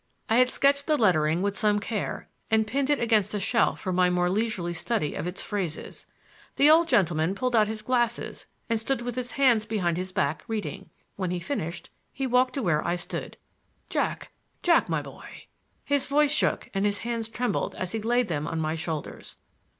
I had sketched the lettering with some care, and pinned it against a shelf for my more leisurely study of its phrases. The old gentlemen pulled out his glasses and stood with his hands behind his back, reading. When he finished he walked to where I stood. "Jack!" he said, "Jack, my boy!" His voice shook and his hands trembled as he laid them on my shoulders.